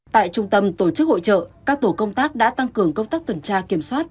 tại trung tâm tổ chức hội trợ các tổ công tác đã tăng cường công tác tuần tra kiểm soát